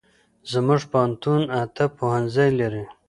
زمونږ پوهنتون اته پوهنځي لري